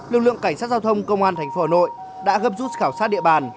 lực lượng cảnh sát giao thông công an thành phố hà nội đã gấp rút khảo sát địa bàn